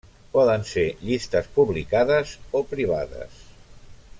Poden ser llistes publicades o privades.